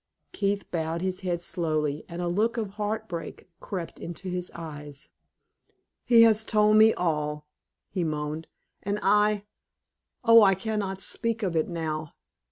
Keith bowed his head slowly, and a look of heart break crept into his eyes. "He has told me all," he moaned, "and I Oh, I can not speak of it now!"